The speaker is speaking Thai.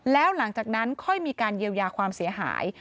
แล้วหลังจากนั้นค่อยมีการเยียวยาความเสียหาย